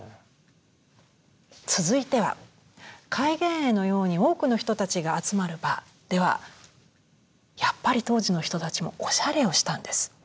続いては開眼会のように多くの人たちが集まる場ではやっぱり当時の人たちもおしゃれをしたんです。